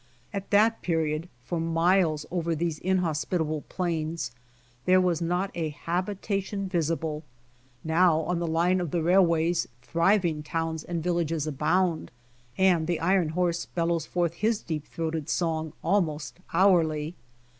At that period for miles over these inhospitable plains there was not a habitation visible. Now on the line of the railways thriving toAvns and villages abound and the iron horse bellows forth his deep throated song almost hourly.